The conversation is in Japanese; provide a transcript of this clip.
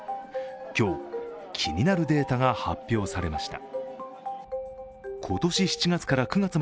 今日、気になるデータが発表されました。